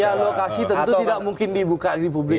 ya lokasi tentu tidak mungkin dibuka di publik